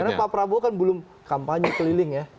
karena pak prabowo kan belum kampanye keliling ya